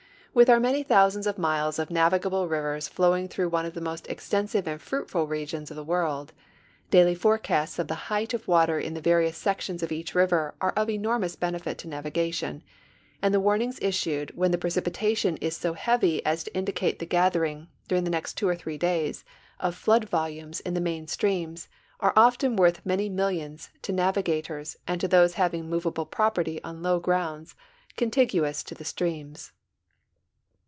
With our many thousands of miles of navigable rivers flow ing through one of the most extensive and fruitful regions of the world, daily forecasts of the height of water in the various sections of each river are of enormous benefit to navigation, and the warnings issued when the precipitation is so heavy aa to indicate the gathering, during the next two or three days, of flood volumes in the main streams, are often worth many mil lions to navigators and to those having movable property on low grounds contiguous to the streams.